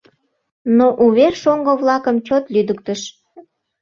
Но увер шоҥго-влакым чот лӱдыктыш.